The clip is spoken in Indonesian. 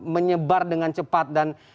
menyebar dengan cepat